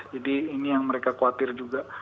jadi ini yang mereka khawatir juga